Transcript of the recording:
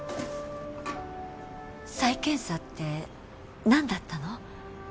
再検査って何だったの？